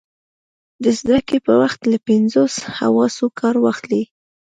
د زده کړې پر وخت له پینځو حواسو کار واخلئ.